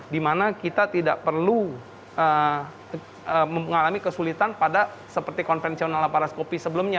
di mana kita tidak perlu mengalami kesulitan pada seperti konvensional laparaskopi sebelumnya